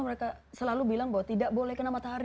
mereka selalu bilang bahwa tidak boleh kena matahari